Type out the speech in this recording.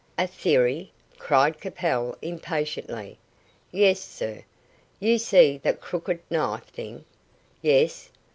"A theory?" cried Capel, impatiently. "Yes, sir. You see that crooked knife thing?" "Yes."